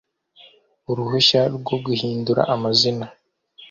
uruhushya rwo guhindura amazina